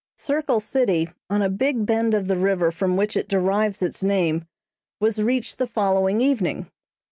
Circle City, on a big bend of the river from which it derives its name, was reached the following evening.